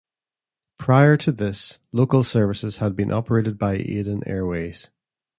Prior to this, local services had been operated by Aden Airways.